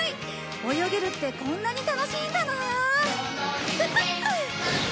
泳げるってこんなに楽しいんだなあ。